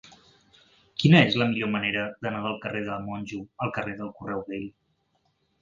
Quina és la millor manera d'anar del carrer de Monjo al carrer del Correu Vell?